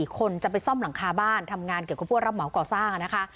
คนจะไปซ่อมหลังคาบ้านทำงานเกี่ยวกับผู้รับเหมาก่อสร้างนะคะ